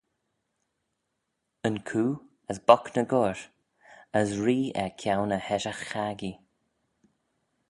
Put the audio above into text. Yn coo, as bock ny goair, as ree er kione e heshaght-chaggee.